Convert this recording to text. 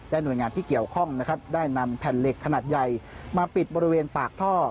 หน่วยงานที่เกี่ยวข้องนะครับได้นำแผ่นเหล็กขนาดใหญ่มาปิดบริเวณปากท่อ